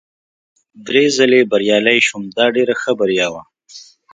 درې ځلي بریالی شوم، دا ډېره ښه بریا وه.